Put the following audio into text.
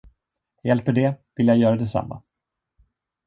Hjälper det, vill jag göra detsamma.